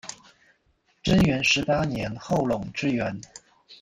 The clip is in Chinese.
贞元十八年后垄之原。